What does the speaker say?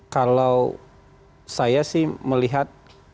kalau saya sih melihat